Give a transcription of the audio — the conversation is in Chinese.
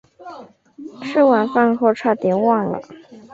吃完饭后差点忘了